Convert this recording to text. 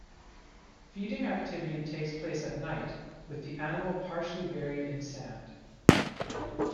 Feeding activity takes place at night, with the animal partially buried in sand.